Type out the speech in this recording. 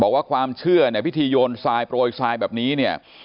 บอกว่าความเชื่อในพิธีโยนทรายโปรยทรายแบบนี้เนี่ย